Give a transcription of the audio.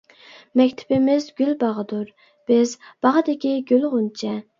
مەكتىپىمىز گۈل باغدۇر، بىز باغدىكى گۈل غۇنچە.